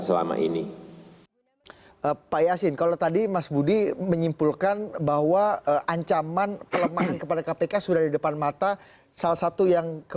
selama ini pak yasin kalau tadi mas budi menyimpulkan bahwa ancaman kelemahan kepada kpk